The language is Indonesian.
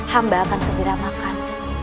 hamba akan segera makan